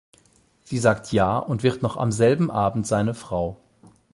Sie sagt ja und wird noch am selben Abend seine Frau.